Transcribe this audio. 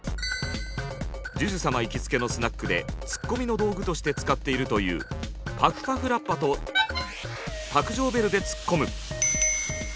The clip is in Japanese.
ＪＵＪＵ様行きつけのスナックでツッコミの道具として使っているというパフパフラッパと卓上ベルでツッコむ。